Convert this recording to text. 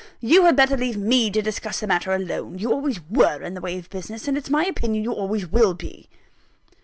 You had better leave me to discuss the matter alone you always were in the way of business, and it's my opinion you always will be."